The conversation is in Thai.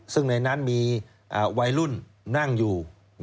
ซึ่งในนั้นมีวัยรุ่นนั่งอยู่